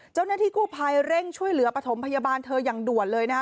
เจ้าหน้าที่กู้ภัยเร่งช่วยเหลือปฐมพยาบาลเธออย่างด่วนเลยนะคะ